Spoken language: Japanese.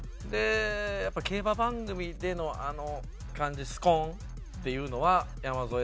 やっぱり競馬番組でのあの感じスコーン！っていうのは山添さんっぽいなと思って。